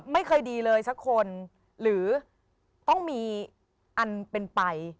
ไม่เคยดีเลยสักคนหรือต้องมีอันเป็นไป